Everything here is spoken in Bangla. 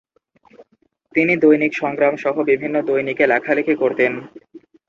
তিনি দৈনিক সংগ্রাম সহ বিভিন্ন দৈনিকে লেখালেখি করতেন।